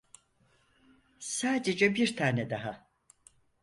Sadece bir tane daha.